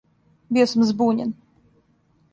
Био сам збуњен.